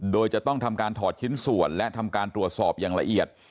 โดยจะต้องทำการถอดชิ้นส่วนและทำการตรวจสอบอย่างละเอียด